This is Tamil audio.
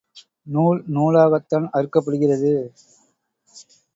நூல் நூலாகத்தான் அறுக்கப்படுகிறது.